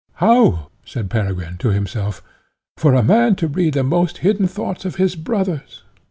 "How!" said Peregrine to himself, "for a man to read the most hidden thoughts of his brothers!